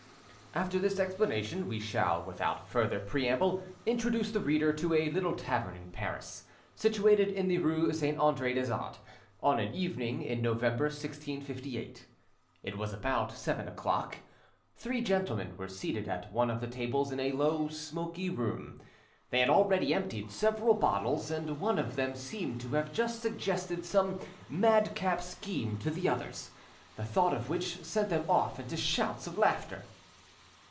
After this explanation, we shall, without further preamble, introduce the reader to a little tavern in Paris, situated in the rue Saint Andre des Arts, on an evening in November 1658. It was about seven o'clock. Three gentlemen were seated at one of the tables in a low, smoky room. They had already emptied several bottles, and one of them seemed to have just suggested some madcap scheme to the others, the thought of which sent them off into shouts of laughter.